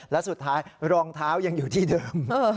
และสุดท้ายรองเท้ายังอยู่ที่เดิม